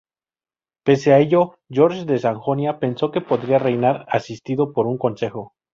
Pese a ello, Jorge de Sajonia pensó que podría reinar asistido por un consejo.